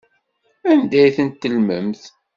Anda ay ten-tellmemt?